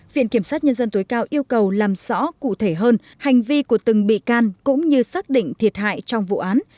viện kiểm sát nhân dân tối cao yêu cầu làm rõ cụ thể hơn hành vi của từng bị can cũng như xác định thiệt hại trong vụ án